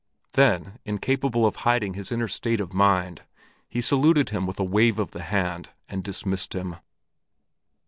Then, incapable of hiding his inner state of mind, he saluted him with a wave of the hand and dismissed him.